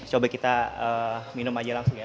coba kita minum aja langsung ya